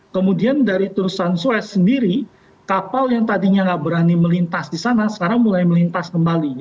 kemudian dari turusan suez sendiri kapal yang tadinya nggak berani melintas di sana sekarang mulai melintas kembali